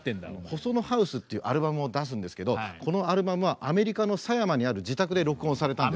「ＨＯＳＯＮＯＨＯＵＳＥ」っていうアルバムを出すんですけどこのアルバムはアメリカの狭山にある自宅で録音されたんです。